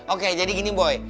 oke jadi gini boy